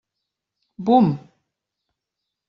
Bum!